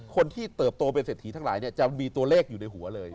เติบโตเป็นเศรษฐีทั้งหลายจะมีตัวเลขอยู่ในหัวเลย